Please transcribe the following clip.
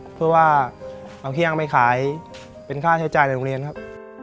เพื่อว่าเอาเครื่องไปขายเป็นค่าใช้จ่ายในโรงเรียนครับ